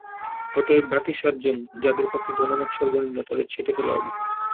অতএব, বাকি সাতজন, যাদের পক্ষে জনমত সর্বনিম্ন, তাদের ছেঁটে ফেলা হবে।